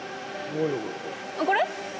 これ？